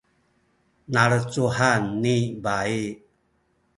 nalecuhan ni bayi